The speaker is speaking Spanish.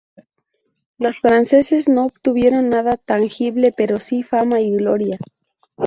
Los franceses no obtuvieron nada tangible, pero sí fama y gloria.